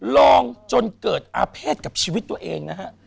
ลองจนเกิดอาเภษกับชีวิตตัวเองนะฮะ